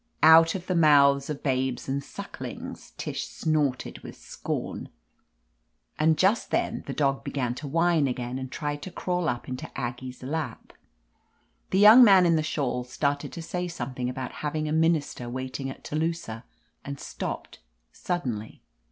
" *Out of the mouths of babes and suck lings,' " Tish snorted with scorn, and just then 313 THE AMAZING ADVENTURES the dog began to whine again and tried to crawl up into Aggie's lap. The young man in the shawl started to say something about hav ing a minister waiting at Telusah, and stopped suddenly.